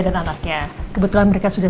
dan anaknya kebetulan mereka sudah